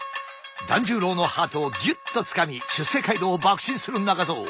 團十郎のハートをギュッとつかみ出世街道をばく進する中蔵。